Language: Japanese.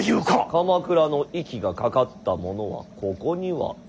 鎌倉の息がかかった者はここには要らぬ。